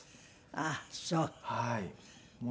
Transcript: あっそう。